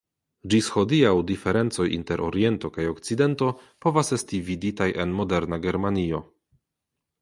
Ĝis hodiaŭ diferencoj inter Oriento kaj Okcidento povas esti viditaj en moderna Germanio.